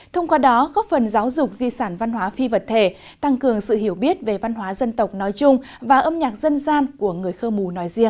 thông qua đó góp phần giáo dục di sản văn hóa phi vật thể tăng cường sự hiểu biết về văn hóa dân tộc nói chung và âm nhạc dân gian của người khơ mú nói riêng